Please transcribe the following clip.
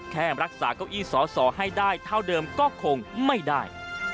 แค่รักษาเก้าอี้สอสอให้ได้เท่าเดิมก็คงไม่ได้